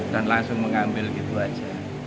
dan langsung mengambil gitu aja